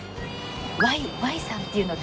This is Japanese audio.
「ＹＹさん」っていうの。